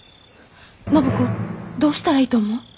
暢子どうしたらいいと思う？